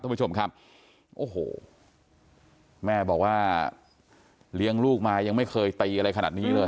ผู้ชมครับโอ้โหแม่บอกว่าเลี้ยงลูกมายังไม่เคยตีอะไรขนาดนี้เลย